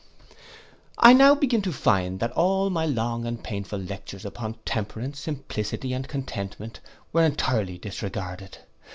I now began to find that all my long and painful lectures upon temperance, simplicity, and contentment, were entirely disregarded.